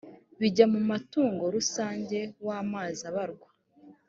bijya mu mutungo rusange w amazi abarwa